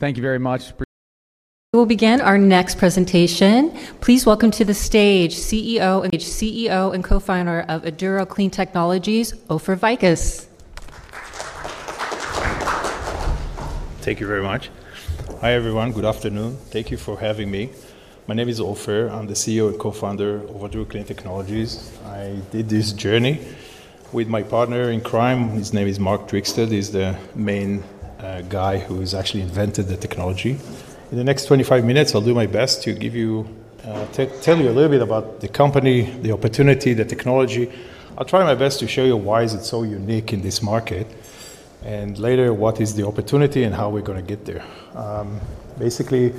We will begin our next presentation. Please welcome to the stage CEO and Co-Founder of Aduro Clean Technologies, Ofer Vicus. Thank you very much. Hi everyone, good afternoon. Thank you for having me. My name is Ofer. I'm the CEO and co-founder of Aduro Clean Technologies. I did this journey with my partner in crime. His name is Marc Trygstad.. He's the main guy who actually invented the technology. In the next 25 minutes, I'll do my best to give you, tell you a little bit about the company, the opportunity, the technology. I'll try my best to show you why it is so unique in this market and later what is the opportunity and how we're going to get there. Basically,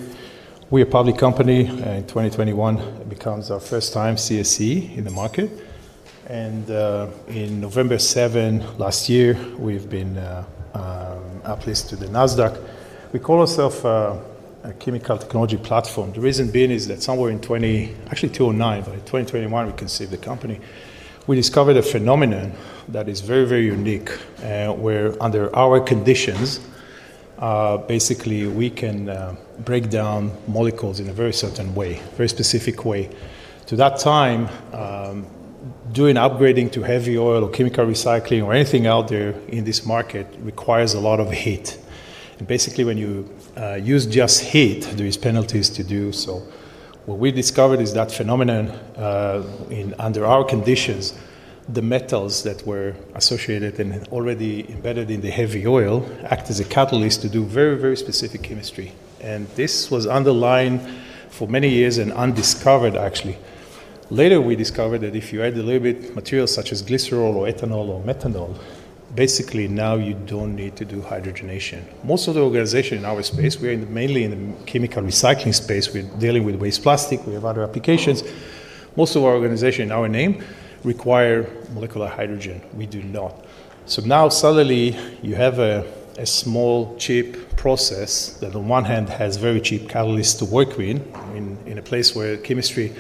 we are a public company. In 2021, it becomes our first time CSE in the market. In November 7 last year, we've been app listed to the NASDAQ. We call ourselves a chemical technology platform. The reason being is that somewhere in 20, actually 2009, but in 2021 we conceived the company. We discovered a phenomenon that is very, very unique. Where under our conditions, basically we can break down molecules in a very certain way, very specific way. To that time, doing upgrading to heavy oil or chemical recycling or anything out there in this market requires a lot of heat. Basically, when you use just heat, there are penalties to do so. What we discovered is that phenomenon under our conditions, the metals that were associated and already embedded in the heavy oil act as a catalyst to do very, very specific chemistry. This was underlined for many years and undiscovered actually. Later, we discovered that if you add a little bit of material such as glycerol or ethanol or methanol, basically now you don't need to do hydrogenation. Most of the organization in our space, we are mainly in the chemical recycling space. We're dealing with waste plastic. We have other applications. Most of our organization in our name requires molecular hydrogen. We do not. Now suddenly you have a small cheap process that on one hand has very cheap catalysts to work in, in a place where chemistry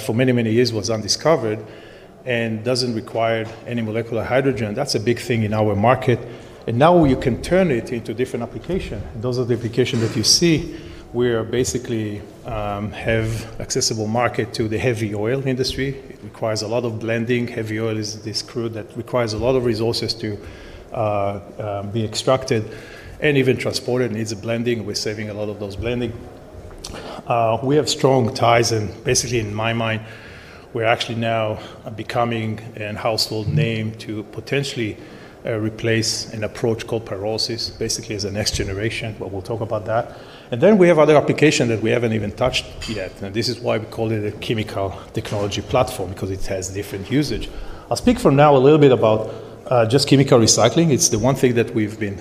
for many, many years was undiscovered and doesn't require any molecular hydrogen. That's a big thing in our market. Now you can turn it into different applications. Those are the applications that you see. We basically have accessible market to the heavy oil industry. It requires a lot of blending. Heavy oil is this crude that requires a lot of resources to be extracted and even transported. It needs a blending. We're saving a lot of those blending. We have strong ties and basically in my mind, we're actually now becoming a household name to potentially replace an approach called pyrolysis. Basically, it's the next generation, but we'll talk about that. We have other applications that we haven't even touched yet. This is why we call it a chemical technology platform because it has different usage. I'll speak from now a little bit about just chemical recycling. It's the one thing that we've been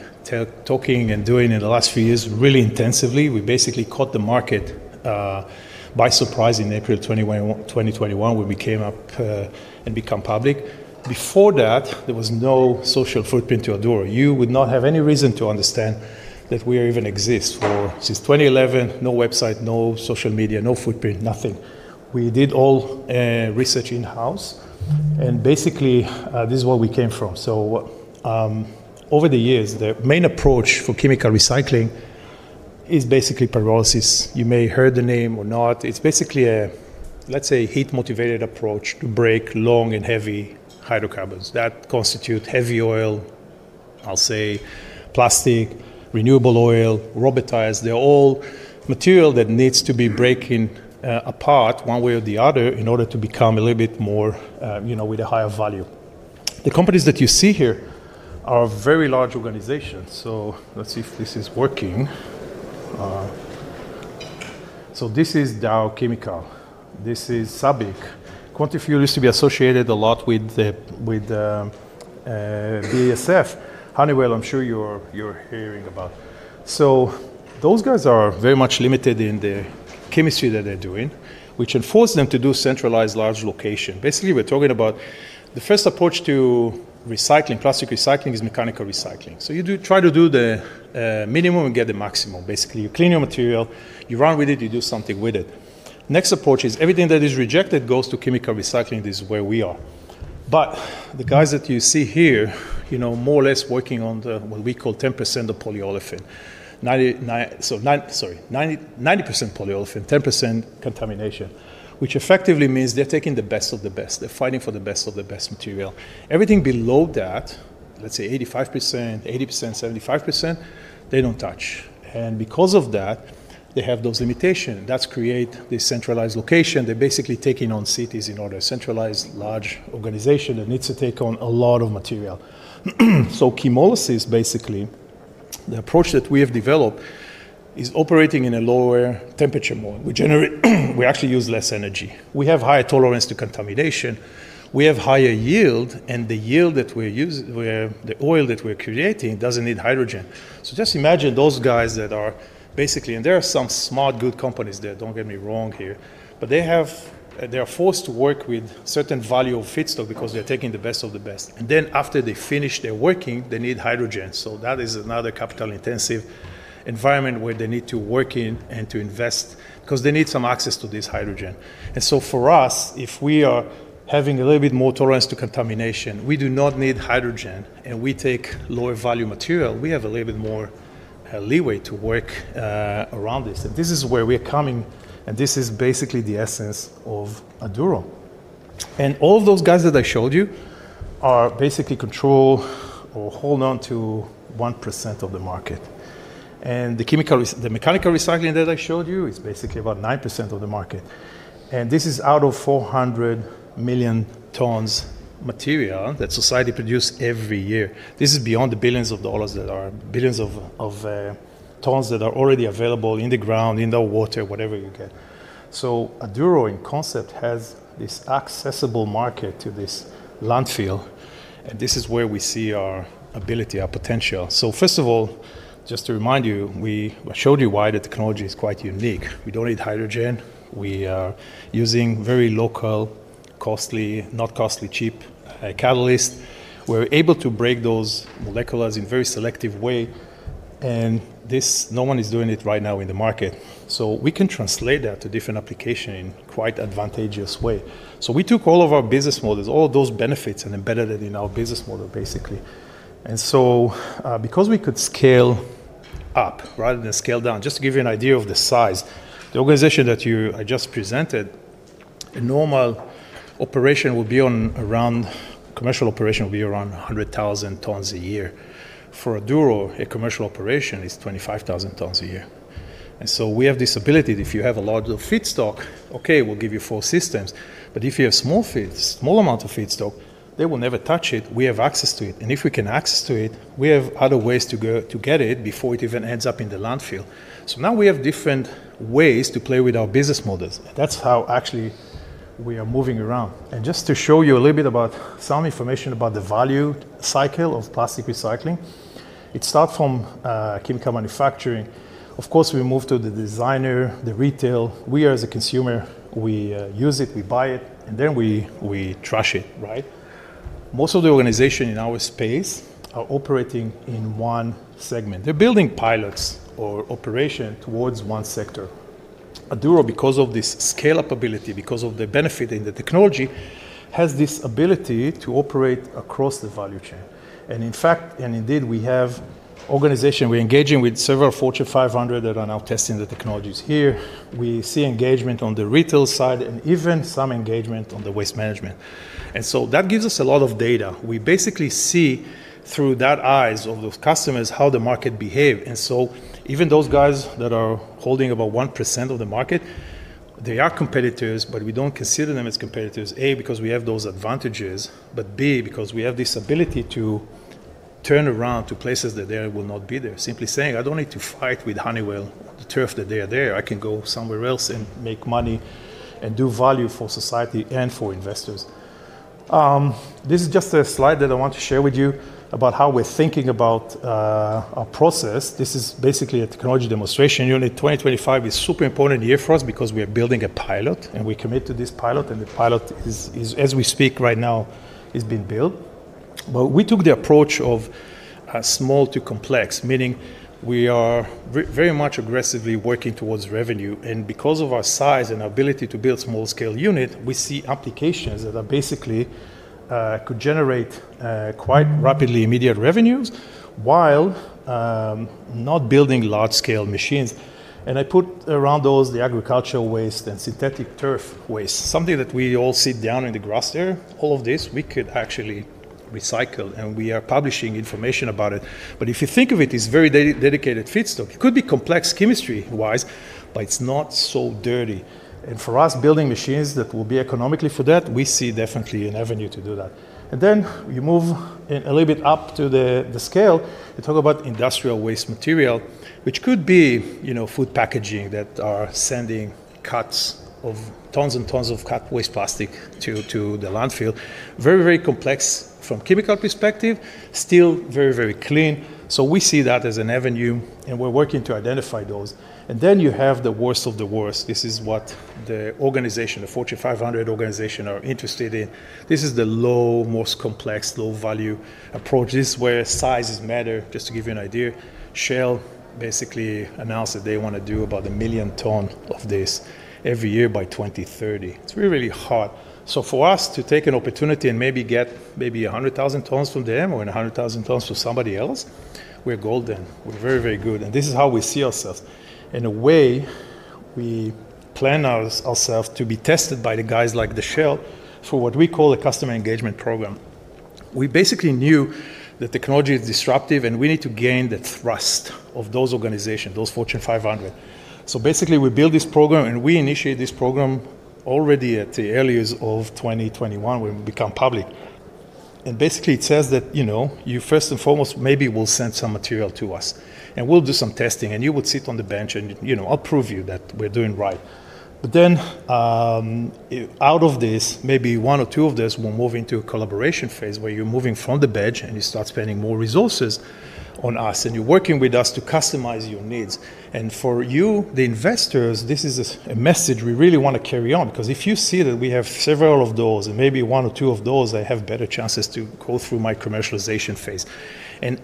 talking and doing in the last few years really intensively. We basically caught the market by surprise in April 2021, when we came up and became public. Before that, there was no social footprint to Aduro. You would not have any reason to understand that we even exist. For since 2011, no website, no social media, no footprint, nothing. We did all research in-house. Basically, this is where we came from. Over the years, the main approach for chemical recycling is basically pyrolysis. You may hear the name or not. It's basically a, let's say, heat-motivated approach to break long and heavy hydrocarbons that constitute heavy oil, I'll say plastic, renewable oil, robotized. They're all material that needs to be breaking apart one way or the other in order to become a little bit more, you know, with a higher value. The companies that you see here are very large organizations. Let's see if this is working. This is Dow Chemical. This is SABIC. Quantafuel used to be associated a lot with BASF. Honeywell, I'm sure you're hearing about. Those guys are very much limited in the chemistry that they're doing, which enforced them to do centralized large location. Basically, we're talking about the first approach to recycling. Plastic recycling is mechanical recycling. You try to do the minimum and get the maximum. Basically, you clean your material, you run with it, you do something with it. Next approach is everything that is rejected goes to chemical recycling. This is where we are. The guys that you see here, you know, more or less working on what we call 10% of polyolefin. Sorry, 90% polyolefin, 10% contamination, which effectively means they're taking the best of the best. They're fighting for the best of the best material. Everything below that, let's say 85%, 80%, 75%, they don't touch. Because of that, they have those limitations. That's created this centralized location. They're basically taking on cities in order to centralize large organizations that need to take on a lot of material. Chemolysis, basically, the approach that we have developed is operating in a lower temperature mode. We actually use less energy. We have higher tolerance to contamination. We have higher yield, and the yield that we're using, the oil that we're creating doesn't need hydrogen. Just imagine those guys that are basically, and there are some smart, good companies there, don't get me wrong here, but they're forced to work with certain value of feedstock because they're taking the best of the best. After they finish their working, they need hydrogen. That is another capital-intensive environment where they need to work in and to invest because they need some access to this hydrogen. For us, if we are having a little bit more tolerance to contamination, we do not need hydrogen, and we take lower value material. We have a little bit more leeway to work around this. This is where we are coming, and this is basically the essence of Aduro. All those guys that I showed you are basically controlled or hold on to 1% of the market. The mechanical recycling that I showed you is basically about 9% of the market. This is out of 400 million tons of material that society produces every year. This is beyond the billions of dollars that are, billions of tons that are already available in the ground, in the water, whatever you get. Aduro in concept has this accessible market to this landfill, and this is where we see our ability, our potential. First of all, just to remind you, I showed you why the technology is quite unique. We don't need hydrogen. We are using very local, costly, not costly, cheap catalysts. We're able to break those molecules in a very selective way, and this no one is doing it right now in the market. We can translate that to different applications in quite an advantageous way. We took all of our business models, all of those benefits, and embedded it in our business model basically. Because we could scale up rather than scale down, just to give you an idea of the size, the organization that I just presented, a normal operation would be around, a commercial operation would be around 100,000 tons a year. For Aduro, a commercial operation is 25,000 tons a year. We have this ability that if you have a large feedstock, okay, we'll give you four systems. If you have small feeds, small amounts of feedstock, they will never touch it. We have access to it. If we can access it, we have other ways to go to get it before it even ends up in the landfill. Now we have different ways to play with our business models. That's how actually we are moving around. Just to show you a little bit about some information about the value cycle of plastic recycling, it starts from chemical manufacturing. Of course, we move to the designer, the retail. We are the consumer. We use it, we buy it, and then we trash it, right? Most of the organizations in our space are operating in one segment. They're building pilots or operations towards one sector. Aduro, because of this scale-up ability, because of the benefit in the technology, has this ability to operate across the value chain. In fact, we have organizations we're engaging with, several Fortune 500 that are now testing the technologies here. We see engagement on the retail side and even some engagement on the waste management. That gives us a lot of data. We basically see through the eyes of those customers how the market behaves. Even those guys that are holding about 1% of the market, they are competitors, but we don't consider them as competitors, A, because we have those advantages, but B, because we have this ability to turn around to places that they will not be there. Simply saying, I don't need to fight with Honeywell, the turf that they are there. I can go somewhere else and make money and do value for society and for investors. This is just a slide that I want to share with you about how we're thinking about our process. This is basically a technology demonstration unit. 2025 is a super important year for us because we are building a pilot and we commit to this pilot. The pilot is, as we speak right now, it's being built. We took the approach of small to complex, meaning we are very much aggressively working towards revenue. Because of our size and our ability to build small-scale units, we see applications that basically could generate quite rapidly immediate revenues while not building large-scale machines. I put around those the agricultural waste and synthetic turf waste, something that we all sit down in the grass there. All of this we could actually recycle and we are publishing information about it. If you think of it as very dedicated feedstock, it could be complex chemistry-wise, but it's not so dirty. For us, building machines that will be economical for that, we see definitely an avenue to do that. You move a little bit up to the scale to talk about industrial waste material, which could be, you know, food packaging that are sending tons and tons of cut waste plastic to the landfill. Very, very complex from a chemical perspective, still very, very clean. We see that as an avenue and we're working to identify those. Then you have the worst of the worst. This is what the organization, the Fortune 500 organization, are interested in. This is the most complex, low-value approach. This is where sizes matter. Just to give you an idea, Shell basically announced that they want to do about 1 million tons of this every year by 2030. It's really, really hot. For us to take an opportunity and maybe get maybe 100,000 tons from them or 100,000 tons from somebody else, we're golden. We're very, very good. This is how we see ourselves. In a way, we plan ourselves to be tested by the guys like Shell for what we call a customer engagement program. We basically knew that technology is disruptive and we need to gain the trust of those organizations, those Fortune 500. We build this program and we initiate this program already at the earliest of 2021 when we become public. Basically, it says that, you know, you first and foremost maybe will send some material to us and we'll do some testing and you would sit on the bench and, you know, I'll prove you that we're doing right. Out of this, maybe one or two of us will move into a collaboration phase where you're moving from the bench and you start spending more resources on us and you're working with us to customize your needs. For you, the investors, this is a message we really want to carry on because if you see that we have several of those and maybe one or two of those, I have better chances to go through my commercialization phase.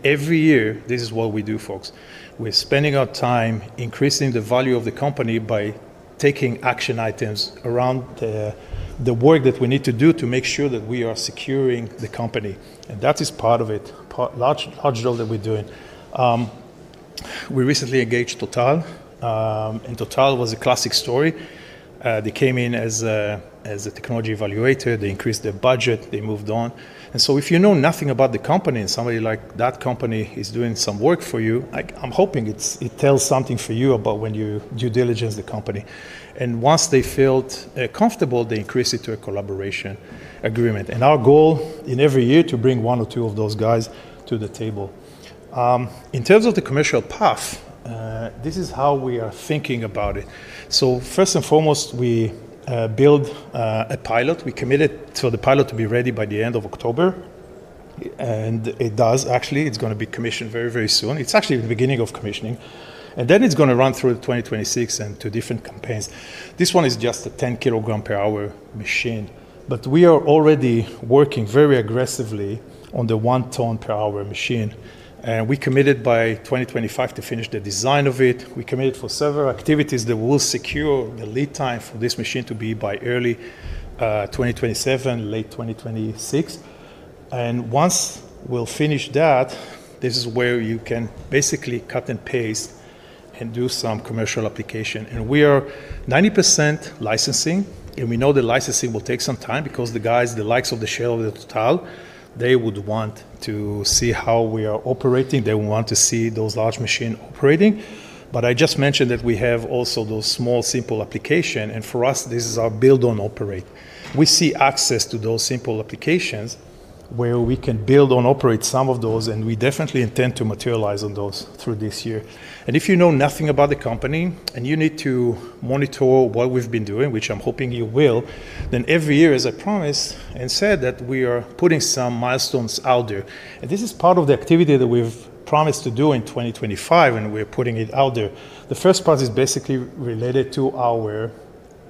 Every year, this is what we do, folks. We're spending our time increasing the value of the company by taking action items around the work that we need to do to make sure that we are securing the company. That is part of it, large deal that we're doing. We recently engaged TotalEnergies. TotalEnergies was a classic story. They came in as a technology evaluator. They increased their budget. They moved on. If you know nothing about the company and somebody like that company is doing some work for you, I'm hoping it tells something for you about when you do diligence the company. Once they felt comfortable, they increased it to a collaboration agreement. Our goal in every year is to bring one or two of those guys to the table. In terms of the commercial path, this is how we are thinking about it. First and foremost, we build a pilot. We committed for the pilot to be ready by the end of October. It does actually, it's going to be commissioned very, very soon. It's actually the beginning of commissioning. It's going to run through 2026 and to different campaigns. This one is just a 10 kilogram per hour machine. We are already working very aggressively on the one ton per hour machine. We committed by 2025 to finish the design of it. We committed for several activities that will secure the lead time for this machine to be by early 2027, late 2026. Once we finish that, this is where you can basically cut and paste and do some commercial application. We are 90% licensing. We know the licensing will take some time because the guys, the likes of Shell or TotalEnergies, they would want to see how we are operating. They would want to see those large machines operating. I just mentioned that we have also those small simple applications. For us, this is our build on operate. We see access to those simple applications where we can build on operate some of those. We definitely intend to materialize on those through this year. If you know nothing about the company and you need to monitor what we've been doing, which I'm hoping you will, then every year, as I promised and said, we are putting some milestones out there. This is part of the activity that we've promised to do in 2025. We're putting it out there. The first part is basically related to our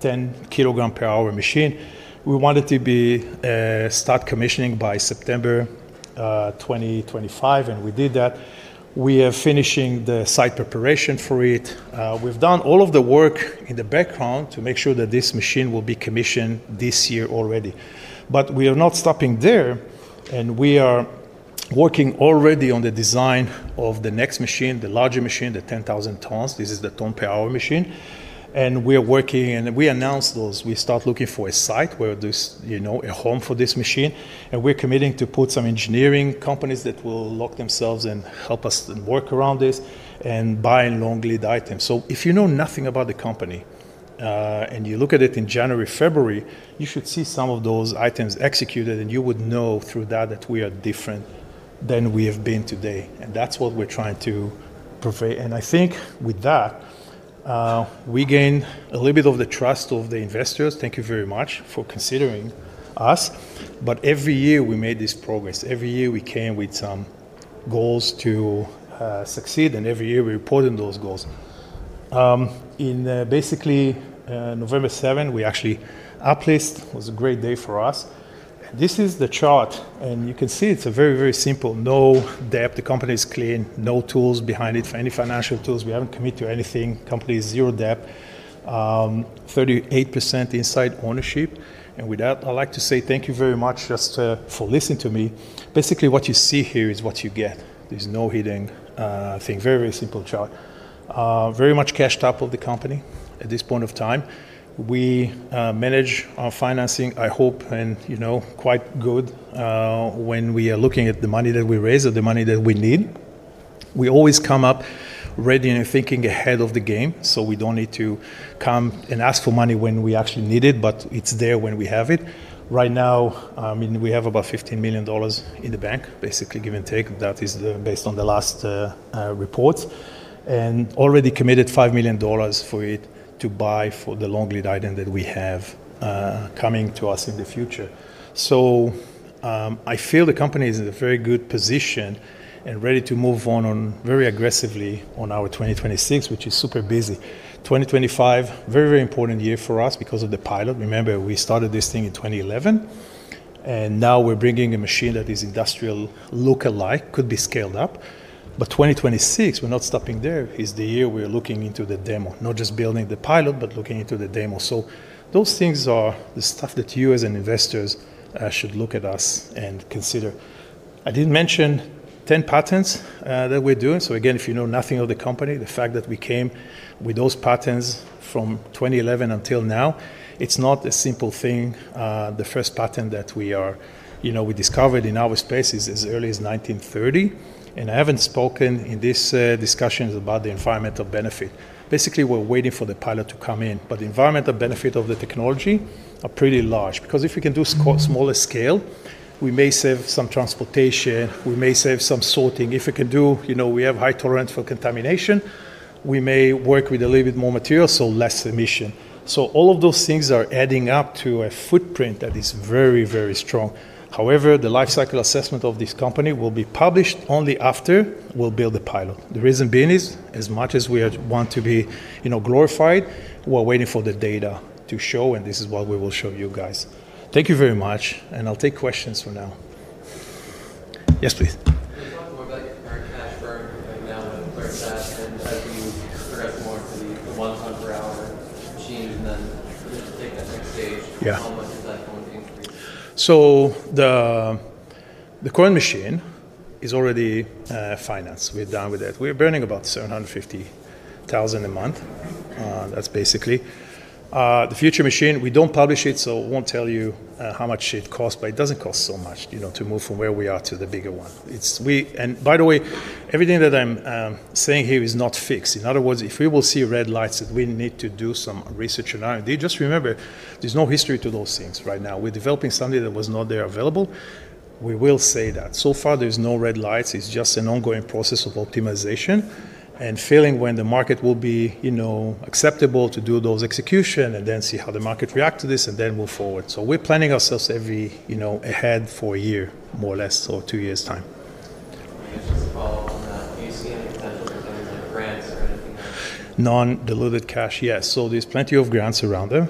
10 kilogram per hour machine. We wanted to start commissioning by September 2025. We did that. We are finishing the site preparation for it. We've done all of the work in the background to make sure that this machine will be commissioned this year already. We are not stopping there. We are working already on the design of the next machine, the larger machine, the 10,000 tons. This is the ton per hour machine. We're working, and we announced those. We start looking for a site where this, you know, a home for this machine. We're committing to put some engineering companies that will lock themselves and help us work around this and buy long lead items. If you know nothing about the company, and you look at it in January, February, you should see some of those items executed. You would know through that that we are different than we have been today. That's what we're trying to provide. I think with that, we gain a little bit of the trust of the investors. Thank you very much for considering us. Every year we made this progress. Every year we came with some goals to succeed. Every year we report on those goals. On basically November 7, we actually uplist. It was a great day for us. This is the chart. You can see it's very, very simple, no debt. The company is clean. No tools behind it for any financial tools. We haven't committed to anything. The company is zero debt. 38% inside ownership. With that, I'd like to say thank you very much just for listening to me. Basically, what you see here is what you get. There's no hidden thing. Very, very simple chart. Very much cashed up of the company at this point of time. We manage our financing, I hope, and you know, quite good when we are looking at the money that we raise or the money that we need. We always come up ready and thinking ahead of the game. We don't need to come and ask for money when we actually need it. It's there when we have it. Right now, I mean, we have about $15 million in the bank, basically give and take. That is based on the last reports. Already committed $5 million for it to buy for the long lead item that we have coming to us in the future. I feel the company is in a very good position and ready to move on very aggressively on our 2026, which is super busy. 2025, very, very important year for us because of the pilot. Remember, we started this thing in 2011. Now we're bringing a machine that is industrial look-alike, could be scaled up. 2026, we're not stopping there, is the year we're looking into the demo, not just building the pilot, but looking into the demo. Those things are the stuff that you as investors should look at us and consider. I didn't mention 10 patents that we're doing. Again, if you know nothing of the company, the fact that we came with those patents from 2011 until now, it's not a simple thing. The first patent that we are, you know, we discovered in our space is as early as 1930. I haven't spoken in this discussion about the environmental benefit. Basically, we're waiting for the pilot to come in. The environmental benefit of the technology is pretty large because if we can do smaller scale, we may save some transportation. We may save some sorting. If we can do, you know, we have high tolerance for contamination. We may work with a little bit more material, so less emission. All of those things are adding up to a footprint that is very, very strong. However, the lifecycle assessment of this company will be published only after we build the pilot. The reason being is as much as we want to be, you know, glorified, we're waiting for the data to show. This is what we will show you guys. Thank you very much. I'll take questions for now. Yes, please. I'm wondering about the more cash burn right now with the clear cut. As we progress more into the one-ton per hour machines and then we get to take that next stage, how much is that going to increase? The current machine is already financed. We're done with that. We're burning about $750,000 a month. That's basically the future machine. We don't publish it, so I won't tell you how much it costs, but it doesn't cost so much, you know, to move from where we are to the bigger one. By the way, everything that I'm saying here is not fixed. In other words, if we see red lights that we need to do some research around, just remember there's no history to those things right now. We're developing something that was not there available. We will say that. So far, there's no red lights. It's just an ongoing process of optimization and feeling when the market will be, you know, acceptable to do those executions and then see how the market reacts to this and then move forward. We're planning ourselves every, you know, ahead for a year, more or less, or two years' time. Can I ask just a follow-up on that? Do you see any potential for things like grants or anything like that? Non-dilutive cash, yes. There are plenty of grants around them.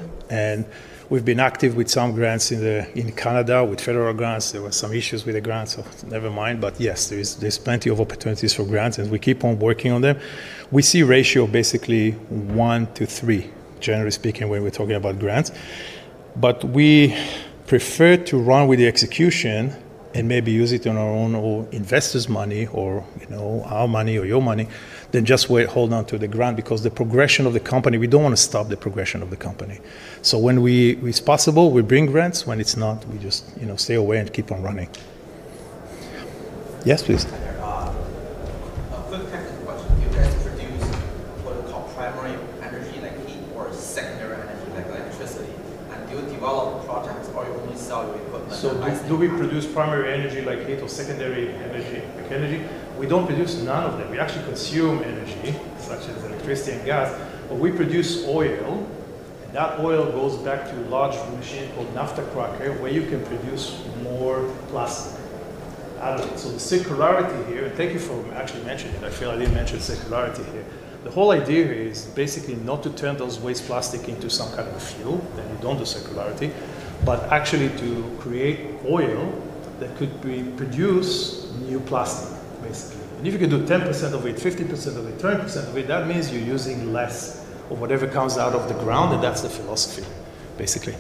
We've been active with some grants in Canada with federal grants. There were some issues with the grants, never mind. Yes, there are plenty of opportunities for grants, and we keep on working on them. We see a ratio basically one to three, generally speaking, when we're talking about grants. We prefer to run with the execution and maybe use it on our own investors' money or, you know, our money or your money rather than just hold on to the grant because the progression of the company, we don't want to stop the progression of the company. When it's possible, we bring grants. When it's not, we just, you know, stay away and keep on running. Yes, please. A quick technical question. Do you guys produce what are called primary energy like heat or secondary energy like electricity? Do you develop projects or do you only sell your equipment? Do we produce primary energy like heat or secondary energy like energy? We don't produce any of them. We actually consume energy such as electricity and gas, but we produce oil. That oil goes back to a large machine called a naphtha cracker where you can produce more plastic out of it. The circularity here, and thank you for actually mentioning it, I feel I didn't mention circularity here. The whole idea here is basically not to turn those waste plastic into some kind of a fuel. You don't do circularity, but actually create oil that could produce new plastic, basically. If you could do 10% of it, 15% of it, 20% of it, that means you're using less of whatever comes out of the ground. That's the philosophy, basically.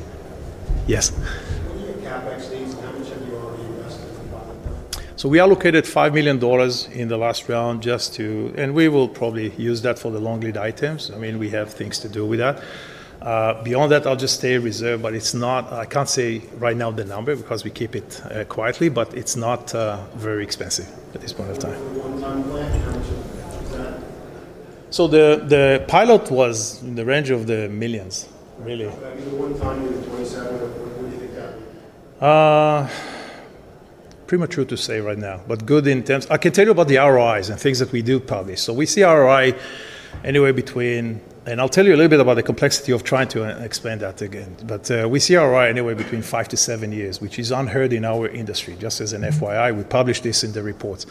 Yes. What are your CapEx needs, and how much have you already invested in the pilot now? We allocated $5 million in the last round just to, and we will probably use that for the long lead items. I mean, we have things to do with that. Beyond that, I'll just stay reserved, but it's not, I can't say right now the number because we keep it quietly, but it's not very expensive at this point of time. One-ton plan, how much is that? The pilot was in the range of the millions, really. The one-ton is 27 or what do you think that would be? Premature to say right now, but good in terms, I can tell you about the ROIs and things that we do publish. We see ROI anywhere between five to seven years, which is unheard of in our industry. Just as an FYI, we publish this in the reports.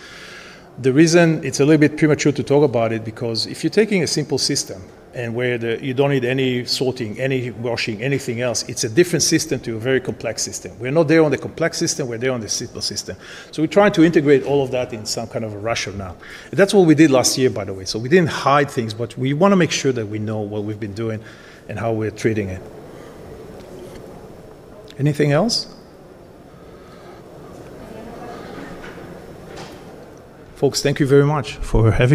The reason it's a little bit premature to talk about it is because if you're taking a simple system where you don't need any sorting, any washing, anything else, it's a different system compared to a very complex system. We're not there on the complex system. We're there on the simple system. We're trying to integrate all of that in some kind of a rational way. That's what we did last year, by the way. We didn't hide things, but we want to make sure that we know what we've been doing and how we're treating it. Anything else? Any other questions? Folks, thank you very much for having me.